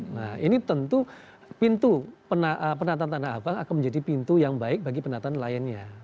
nah ini tentu pintu penataan tanah abang akan menjadi pintu yang baik bagi penataan nelayannya